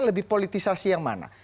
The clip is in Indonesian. lebih politisasi yang mana